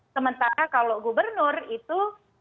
sementara kalau gubernur itu